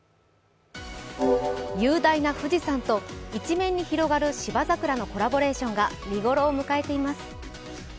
雄大な富士山と一面に広がる芝桜のコラボレーションが見頃を迎えています。